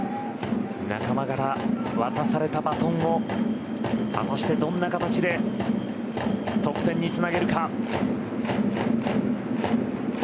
仲間から渡されたバトンを果たしてどんな形で得点につなげるか。